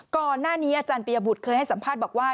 ก่อนหน้านี้อาจารย์ปียบุตรเคยให้สัมภาษณ์บอกว่า